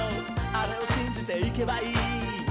あれをしんじていけばいい」